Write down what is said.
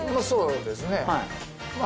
そうですね。